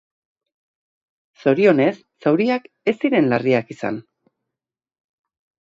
Zorionez, zauriak ez ziren larriak izan.